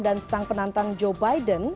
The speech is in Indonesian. dan sang penantang joe biden